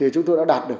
chúng tôi đã đạt được